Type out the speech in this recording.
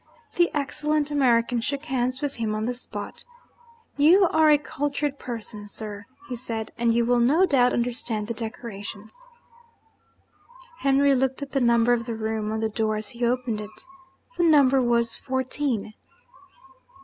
The excellent American shook hands with him on the spot. 'You are a cultured person, sir,' he said; 'and you will no doubt understand the decorations.' Henry looked at the number of the room on the door as he opened it. The number was Fourteen.